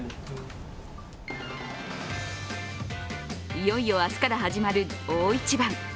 いよいよ明日から始まる大一番。